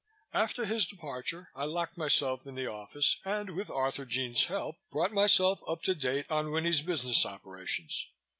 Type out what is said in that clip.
After his departure, I locked myself in the office and with Arthurjean's help, brought myself up to date on Winnie's business operations.